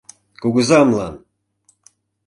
— Кугызамлан!